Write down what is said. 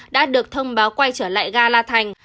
đã được thông báo quay trở lại ga la thành